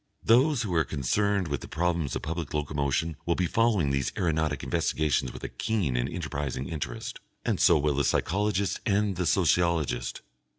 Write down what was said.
Those who are concerned with the problems of public locomotion will be following these aeronautic investigations with a keen and enterprising interest, and so will the physiologist and the sociologist.